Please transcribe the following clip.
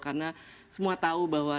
karena semua tahu bahwa